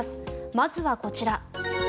まずはこちら。